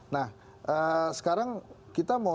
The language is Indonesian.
nah sekarang kita mau